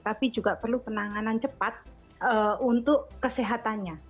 tapi juga perlu penanganan cepat untuk kesehatannya